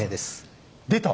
出た！